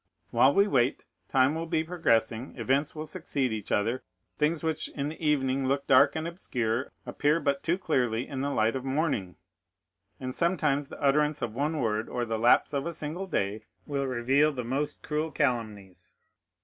While we wait, time will be progressing, events will succeed each other; things which in the evening look dark and obscure, appear but too clearly in the light of morning, and sometimes the utterance of one word, or the lapse of a single day, will reveal the most cruel calumnies."